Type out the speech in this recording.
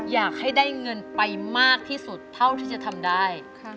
อยากให้ได้เงินไปมากที่สุดเท่าที่จะทำได้